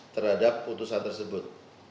terhadap putusan tersebut